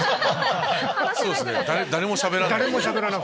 誰もしゃべらない。